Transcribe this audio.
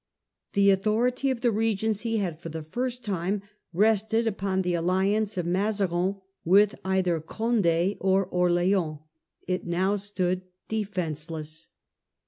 The authority of the regency had from the first rested upon the alliance of Mazarin with either Condd or Orleans ; it now stood defenceless.